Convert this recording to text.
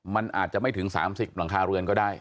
มันอาจจะไม่ถึง๓๐หลังคาเรือนก็ได้